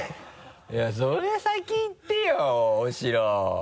いやそれ先に言ってよ大城。